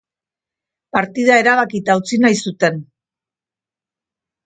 Partida erabakita utzi nahi zuten.